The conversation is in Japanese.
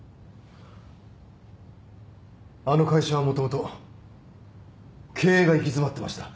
あの会社はもともと経営が行き詰まってました